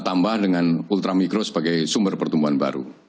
tambah dengan ultramikro sebagai sumber pertumbuhan baru